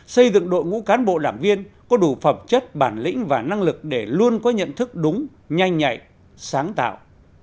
xây dựng đội ngũ cán bộ đảng viên có đủ phẩm chất bản lĩnh và năng lực để luôn có nhận thức đúng nhanh nhạy sáng tạo